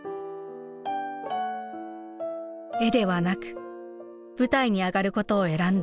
絵ではなく舞台に上がることを選んだ奈良岡さん。